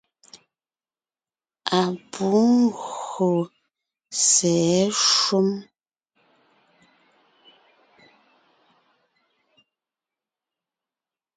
Á pû gÿô sɛ̌ shúm.